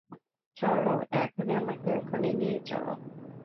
চল, এখনি আমাকে ওখানে নিয়ে চলো।